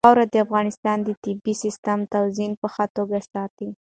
واوره د افغانستان د طبعي سیسټم توازن په ښه توګه ساتي.